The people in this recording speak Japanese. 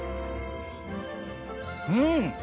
うん！